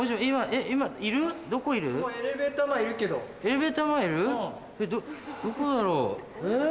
えっどこだろう。